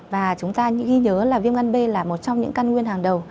và chúng ta ghi nhớ là viêm gan b là một trong những căn nguyên hàng đầu